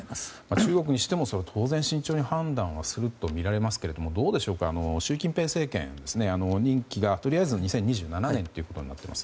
中国にしても当然慎重に判断するとみられますがどうでしょうか、習近平政権は任期がとりあえず２０２７年となっています。